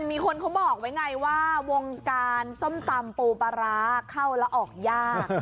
มีคนเขาบอกไว้ไงว่าวงการส้มตำปูปลาร้าเข้าแล้วออกยาก